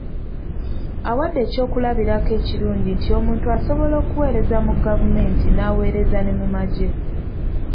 Awadde eky'okulabirako ekirungi nti omuntu asobola okuweereza mu gavumenti, n'aweereza ne mu magye.